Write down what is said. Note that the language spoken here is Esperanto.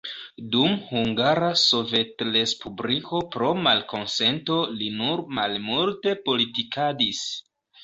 Dum Hungara Sovetrespubliko pro malkonsento li nur malmulte politikadis.